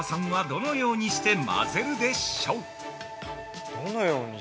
◆どのようにして混ぜるでしょう？